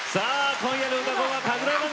今夜の「うたコン」は拡大版。